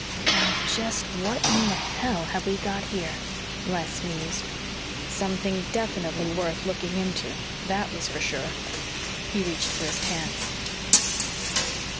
"Now just what in the hell have we got here?" Les mused. Something definitely worth looking into, that was for sure. He reached for his pants.